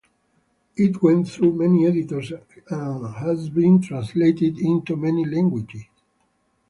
It went through many editions and has been translated into many languages.